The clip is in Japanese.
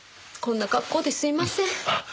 こんな格好ですいません。